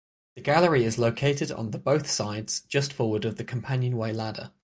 The galley is located on the both sides just forward of the companionway ladder.